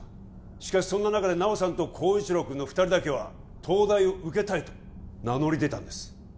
しかしそんな中で菜緒さんと晃一郎くんの２人だけは「東大を受けたい」と名乗り出たんです